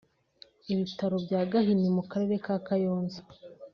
ibitaro bya Gahini mu Karere ka Kayonza